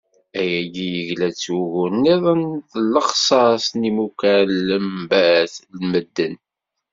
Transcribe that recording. Ayagi yegla-d s wugur-nniḍen n lexṣaṣ n yimukan n lembat n medden.